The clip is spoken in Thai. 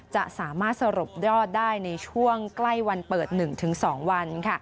จะสามารถสรุปยอดได้ในช่วงใกล้วันเปิด๑๒วัน